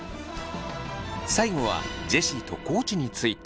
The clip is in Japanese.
最後はジェシーと地について。